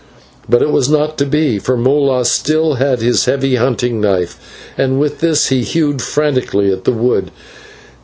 But it was not to be, for Molas still had his heavy hunting knife, and with this he hewed frantically at the wood.